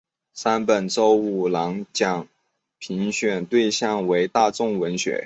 山本周五郎奖评选对象为大众文学。